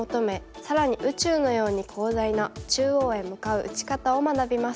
更に宇宙のように広大な中央へ向かう打ち方を学びます。